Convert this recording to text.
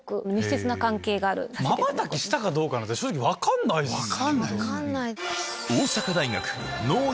まばたきしたかどうかなんて正直分かんないっすけどね。